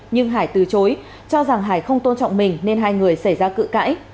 nhưng hải từ chối cho rằng hải không tôn trọng mình nên hai người xảy ra cự cãi